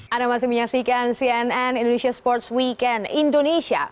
anda masih menyaksikan cnn indonesia sports weekend indonesia